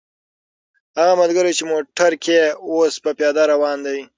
هغه ملګری چې په موټر کې و، اوس په پیاده روان دی.